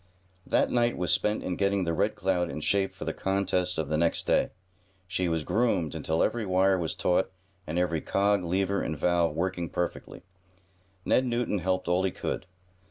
That night was spent in getting the Red Cloud in shape for the contests of the next day. She was "groomed" until every wire was taut and every cog, lever and valve working perfectly. Ned Newton helped all he could.